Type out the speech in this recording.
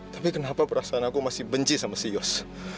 tapi kenapa perasaan aku masih benci sama si yos